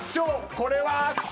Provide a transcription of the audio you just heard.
これは圧勝。